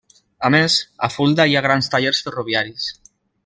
A més, a Fulda hi ha grans tallers ferroviaris.